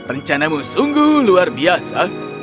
rencanamu sungguh luar biasa